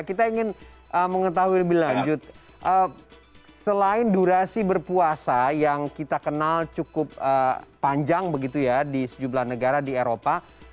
kita ingin mengetahui lebih lanjut selain durasi berpuasa yang kita kenal cukup panjang begitu ya di sejumlah negara di eropa